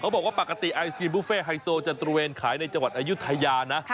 บอกว่าปกติไอศกรีมบุฟเฟ่ไฮโซจะตระเวนขายในจังหวัดอายุทยานะ